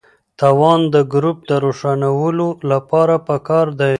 توان د ګروپ د روښانولو لپاره پکار دی.